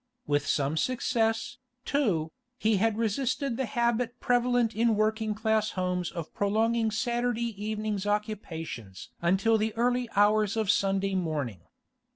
With some success, too, he had resisted the habit prevalent in working class homes of prolonging Saturday evening's occupations until the early hours of Sunday morning.